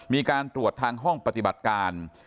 มีการตรวจทางห้องปฏิบัติการ